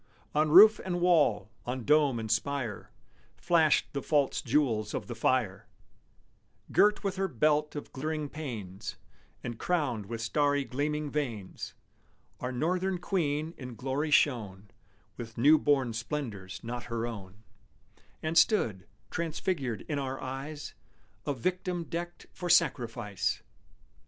On roof and wall, on dome and spire, Flashed the false jewels of the fire; Girt with her belt of glittering panes, And crowned with starry gleaming vanes, Our northern queen in glory shone With new born splendors not her own, And stood, transfigured in our eyes, A victim decked for sacrifice!